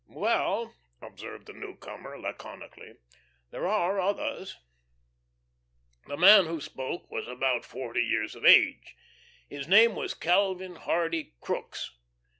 "Well," observed the newcomer, laconically, "there are others." The man who spoke was about forty years of age. His name was Calvin Hardy Crookes.